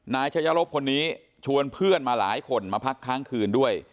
นายชายรบคนนี้ชวนเพื่อนมาหลายคนมาพักค้างคืนด้วย